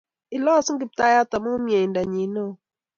Ilosu Kiptayat amun myeindonyi ne o.